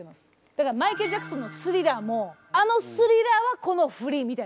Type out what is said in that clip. だからマイケル・ジャクソンの「スリラー」もあの「スリラー」はこの振りみたいな。